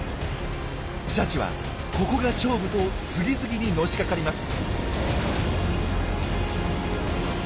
シャチはここが勝負と次々にのしかかります。